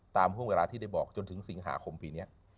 ตามเวลาที่ได้บอกจนถึงสิงหาคมภีร์เนี่ย